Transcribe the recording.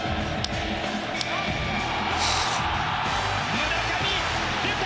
村上、出た！